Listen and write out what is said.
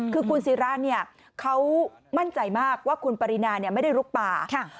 คือคุณศิราเขามั่นใจมากว่าคุณปรินาไม่ได้ลุกป่า